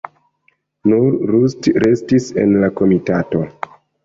Nur Rust restis en la komitato.